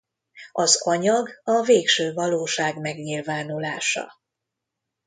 Az anyag a Végső Valóság megnyilvánulása.